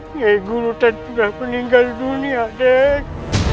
ini guru tak pernah meninggal dunia nek